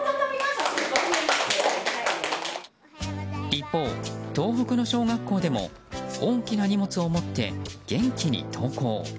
一方、東北の小学校でも大きな荷物を持って元気に登校。